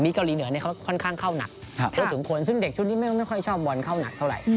เกาหลีเหนือเขาค่อนข้างเข้าหนักพอสมควรซึ่งเด็กชุดนี้ไม่ค่อยชอบบอลเข้าหนักเท่าไหร่